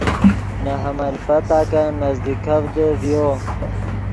نے حمل پتاکن نزدیکڤدے ڤیو۔